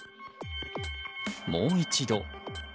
もう一度。